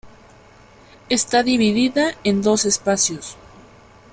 Está dividida en dos espacios.